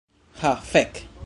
Ha fek'